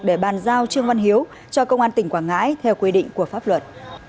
để bàn giao trương văn hiếu cho công an tỉnh quảng ngãi theo quy định của pháp luật